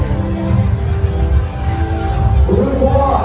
สโลแมคริปราบาล